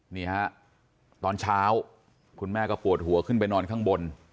นี่ฮะตอนเช้าคุณแม่ก็ปวดหัวขึ้นไปนอนข้างบน